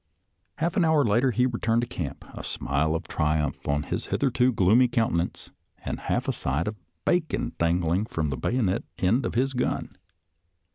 Half an hour later he returned to camp, a smile of triumph on his hitherto gloomy countenance and half a side of bacon dangling from the bayonet end of his gun.